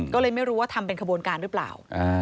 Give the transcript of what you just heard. ก็เลยไม่รู้ว่าทำเป็นขบวนการหรือเปล่า